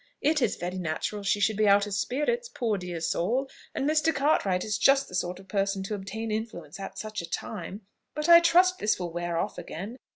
It is very natural she should be out of spirits, poor dear soul! and Mr. Cartwright is just the sort of person to obtain influence at such a time; but I trust this will wear off again.